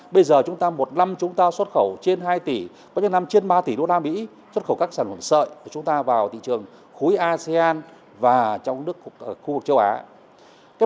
bây giờ chúng ta một năm chúng ta xuất khẩu trên hai tỷ có những năm trên ba tỷ usd xuất khẩu các sản phẩm sợi của chúng ta vào thị trường khối asean và trong khu vực châu á